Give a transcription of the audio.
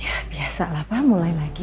ya biasa lah pak mulai lagi